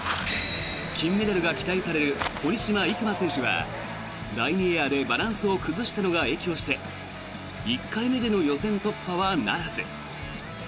金メダルが期待される堀島行真選手は第２エアでバランスを崩したのが影響して１回目での予選突破はならず。